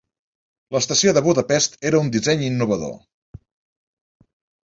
L'estació de Budapest era un disseny innovador.